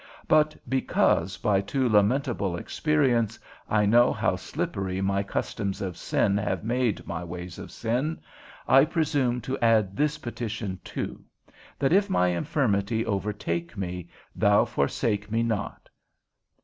But because, by too lamentable experience, I know how slippery my customs of sin have made my ways of sin, I presume to add this petition too, that if my infirmity overtake me, thou forsake me not.